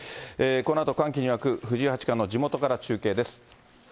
このあと、歓喜に沸く藤井八冠の地元から中継です。